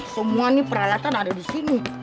semua ini peralatan ada disini